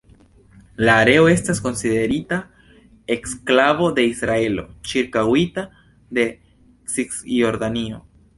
La areo estas konsiderita eksklavo de Israelo, ĉirkaŭita de Cisjordanio.